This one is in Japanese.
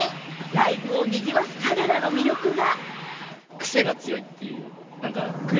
ライブをにぎわす彼らの魅力が。